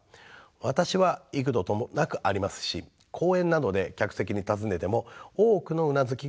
私は幾度となくありますし講演などで客席に尋ねても多くのうなずきが返ってきます。